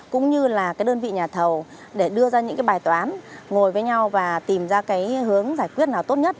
cũng như là đơn vị nhà thầu để đưa ra những bài toán ngồi với nhau và tìm ra hướng giải quyết nào tốt nhất